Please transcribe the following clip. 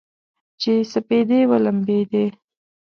چې سپېدې ولمبیدې